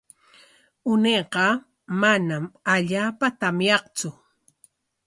Unayqa manam allaapa tamyaqtsu.